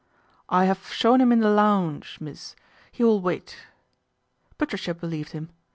" I haf show him in the looaunge, mees. He will wait." Patricia believed him.